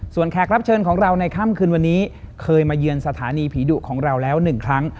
แขกรับเชิญของเราในค่ำคืนวันนี้เคยมาเยือนสถานีผีดุของเราแล้วหนึ่งครั้ง